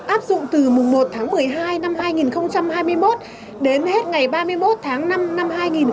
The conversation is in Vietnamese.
áp dụng từ mùng một tháng một mươi hai năm hai nghìn hai mươi một đến hết ngày ba mươi một tháng năm năm hai nghìn hai mươi bốn